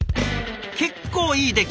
結構いい出来。